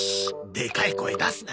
でかい声出すな。